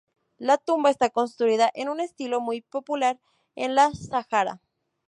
La tumba está construida en un estilo muy popular en el Sahara.